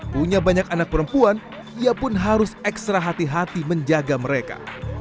punya banyak anak perempuan ia pun harus ekstra hati hati menjaga mereka